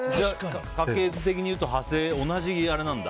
家系図的にいうと同じあれなんだ。